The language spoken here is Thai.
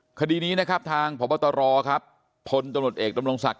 แล้วคดีนี้นะครับทางพตรครับพลตนตเอกตรมลงศักดิ์